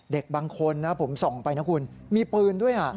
เด็กบางคนนะผมส่องไปนะคุณมีปืนด้วย